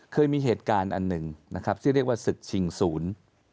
เคยมีเหตุการณ์อันหนึ่งนะครับที่เรียกว่าศึกชิงศูนย์